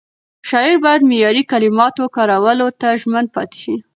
شاعر باید معیاري کلماتو کارولو ته ژمن پاتې شي.